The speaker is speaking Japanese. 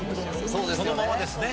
そのままですね。